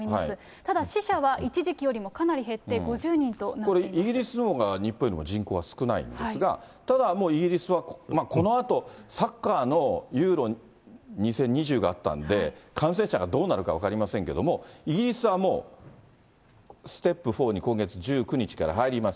ただ、死者は一時期よりもかなりこれ、イギリスのほうが日本よりも人口は少ないんですが、ただ、イギリスはこのあと、サッカーのユーロ２０２０があったんで、感染者がどうなるか分かりませんけれども、イギリスはもう、ステップ４に今月１９日から入ります。